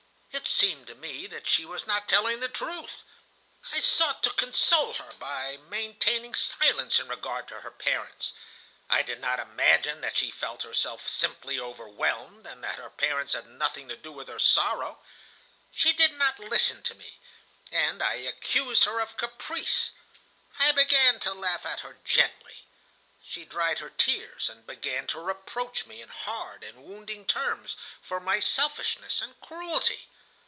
It seemed to me that she was not telling the truth. I sought to console her by maintaining silence in regard to her parents. I did not imagine that she felt herself simply overwhelmed, and that her parents had nothing to do with her sorrow. She did not listen to me, and I accused her of caprice. I began to laugh at her gently. She dried her tears, and began to reproach me, in hard and wounding terms, for my selfishness and cruelty.